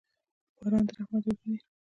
باران د رحمت اوبه دي.